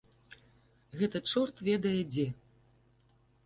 Гэта чорт ведае дзе!